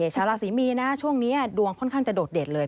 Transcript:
ชาวราศีมีนนะช่วงนี้ดวงค่อนข้างจะโดดเด่นเลย